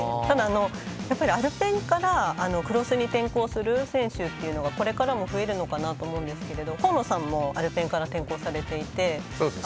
ただ、アルペンからクロスに転向する選手はこれからも増えるのかなと思うんですけれど河野さんもアルペンから転向されていて。